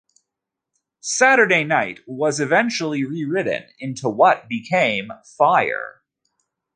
"Saturday Night" was eventually rewritten into what became "Fire.